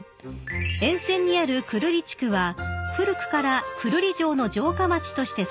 ［沿線にある久留里地区は古くから久留里城の城下町として栄えました］